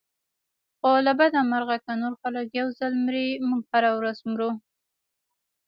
خو له بده مرغه که نور خلک یو ځل مري موږ هره ورځ مرو.